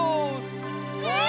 えっ！？